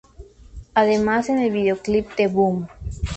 Además en el videoclip de "Boom!